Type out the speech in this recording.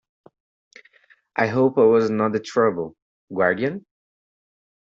I hope I was not the trouble, guardian?